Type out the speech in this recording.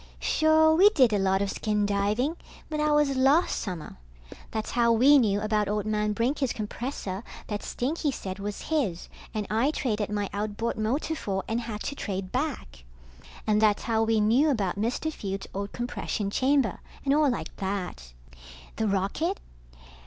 Sure, we did a lot of skin diving, but that was last summer. That's how we knew about old man Brinker's compressor that Stinky said was his and I traded my outboard motor for and had to trade back. And that's how we knew about Mr. Fields' old compression chamber, and all like that. The rocket?